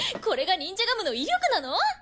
これがニンジャガムの威力なの？